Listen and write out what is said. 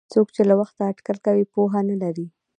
څوک چې له وخته اټکل کوي پوهه نه لري.